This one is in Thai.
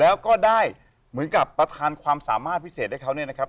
แล้วก็ได้เหมือนกับประธานความสามารถพิเศษให้เขาเนี่ยนะครับ